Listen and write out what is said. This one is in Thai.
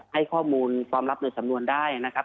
ให้ข้อมูลความลับในสำนวนได้นะครับ